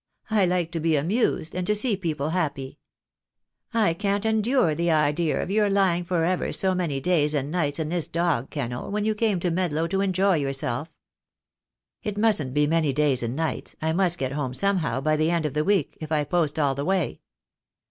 I like to be amused, and to see people THE DAY WILL COME. 2$ happy. I can't endure the idea of your lying for ever so many days and nights in this dog kennel, when you came to Medlow to enjoy yourself." "It mustn't be many days and nights. I must get home somehow by the end of the week, if I post all the way."